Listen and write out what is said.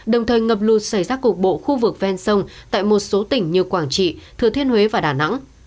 đồng thời ngập lụt xảy ra cục bộ khu vực ven sông tại một số tỉnh như quảng trị thừa thiên huế và đà nẵng